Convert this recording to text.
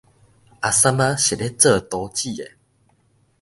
阿三仔是咧做廚子的